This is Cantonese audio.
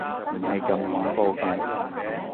唔係咁恐怖嘅